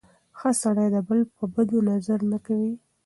ښه سړی د بل په بدو نظر نه کوي.